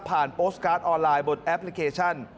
โพสต์การ์ดออนไลน์บนแอปพลิเคชัน